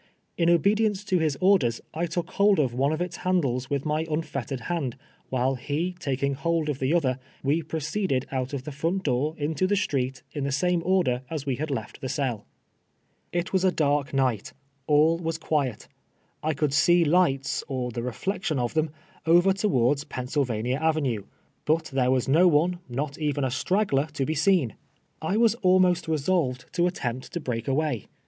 In obedience to his orders, I took hold of one of its handles with my unfettered hand, while he taking hold of the other, we proceeded out of the front door into tlie street in the same order as we had left the cell. 66 TWELVE TEAES A PLATE. It T\ a> a dark iiii; lit. All was quiet. I could sec lights, or the reth'ction of them, over towanls reim sylvaiiia Avenue, hut there was no one, not even a straggler, to he seen. I was almost resolved to at tempt to l)reak away.